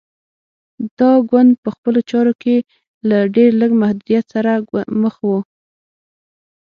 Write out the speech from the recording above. دا ګوند په خپلو چارو کې له ډېر لږ محدودیت سره مخ و.